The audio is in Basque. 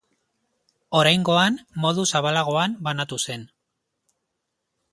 Oraingoan, modu zabalagoan banatu zen.